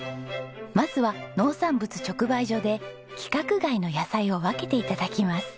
まずは農産物直売所で規格外の野菜を分けて頂きます。